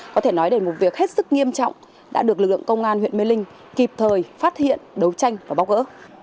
có thể nói đến một việc hết sức nghiêm trọng đã được lực lượng công an huyện mê linh kịp thời phát hiện đấu tranh và bóc gỡ